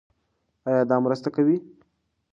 ایا دا مرسته کوي؟